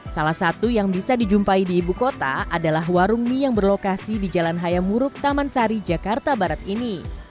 salah satu yang bisa dijumpai di ibu kota adalah warung mie yang berlokasi di jalan hayamuruk taman sari jakarta barat ini